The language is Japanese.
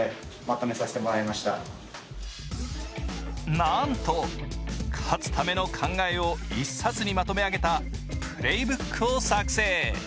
なんか、勝つための考えを一冊にまとめ上げたＰｌａｙｂｏｏｋを作成。